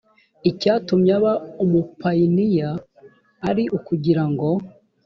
icyatumye aba umupayiniya ari ukugira ngo